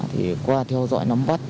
thì qua theo dõi nắm bắt